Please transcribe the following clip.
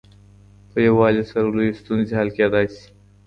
په يووالي سره لويې ستونزې حل کيدلای سي.